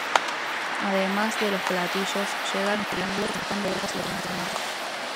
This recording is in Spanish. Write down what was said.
Además de los platillos, llegaron los triángulos, las panderetas y otros instrumentos.